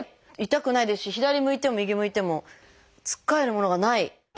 痛くないですし左向いても右向いてもつっかえるものがない。